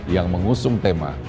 yang mengusung tema